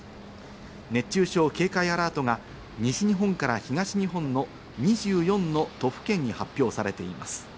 熱中症警戒アラートが西日本から東日本の２４の都府県に発表されています。